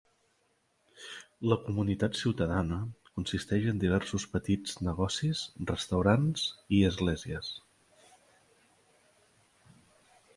La comunitat ciutadana consisteix en diversos petits negocis, restaurants i esglésies.